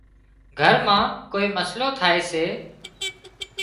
گھر مان ڪوئي مسئلو ٿائي سي